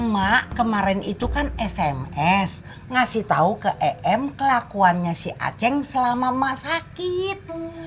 mak kemarin itu kan sms ngasih tahu ke em kelakuannya si aceh selama mak sakit